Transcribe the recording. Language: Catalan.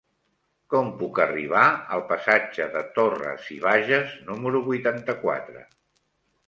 Com puc arribar al passatge de Torras i Bages número vuitanta-quatre?